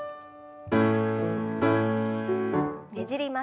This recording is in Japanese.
ねじります。